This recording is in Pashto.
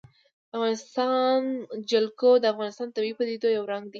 د افغانستان جلکو د افغانستان د طبیعي پدیدو یو رنګ دی.